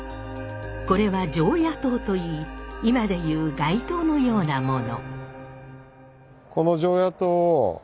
これは常夜灯といい今でいう街灯のようなもの。